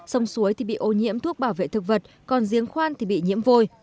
sông suối thì bị ô nhiễm thuốc bảo vệ thực vật còn giếng khoan thì bị nhiễm vôi